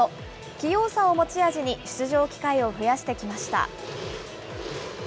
起用さを持ち味に、出場機会を増やしてきました。